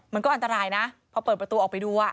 มันก็อันตรายนะพอเปิดประตูออกไปดู